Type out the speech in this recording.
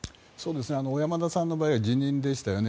小山田さんの場合は辞任でしたよね。